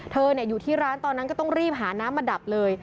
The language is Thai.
อยู่ที่ร้านตอนนั้นก็ต้องรีบหาน้ำมาดับเลย